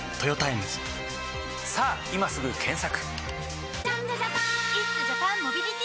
さぁ今すぐ検索！